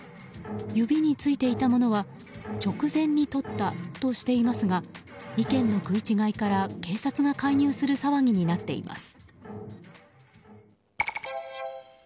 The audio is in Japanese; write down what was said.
指についていたものは直前に取ったとしていますが意見の食い違いから警察が介入する騒ぎになっています。